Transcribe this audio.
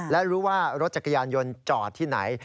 และรู้ว่ารถจักรยานยนต์จอดที่ไหน